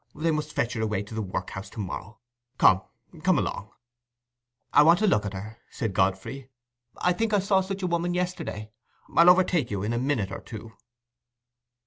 They must fetch her away to the workhouse to morrow. Come, come along." "I want to look at her," said Godfrey. "I think I saw such a woman yesterday. I'll overtake you in a minute or two."